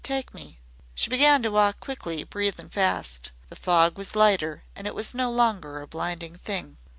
"Take me." She began to walk quickly, breathing fast. The fog was lighter, and it was no longer a blinding thing.